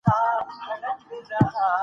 خبریال په سټوډیو کې د معلوماتو تحلیل کوي.